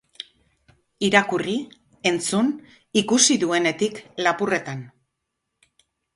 Irakurri, entzun, ikusi duenetik lapurretan.